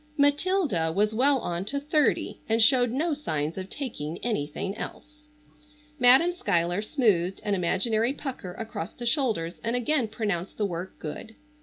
Matilda was well on to thirty and showed no signs of taking anything else. Madam Schuyler smoothed an imaginary pucker across the shoulders and again pronounced the work good.